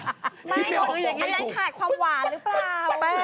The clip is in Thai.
ที่จะออกปรองให้ถูกไม่อย่างนี้แค่ขาดความหวานหรือเปล่า